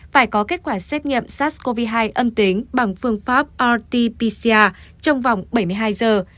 phải có kết quả xét nghiệm sars cov hai âm tính bằng phương pháp rt pcr trong vòng bảy mươi hai giờ